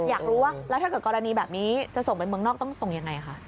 อยากรู้ว่าแล้วถ้าเกิดกรณีแบบนี้จะส่งไปเมืองนอกต้องส่งยังไงคะ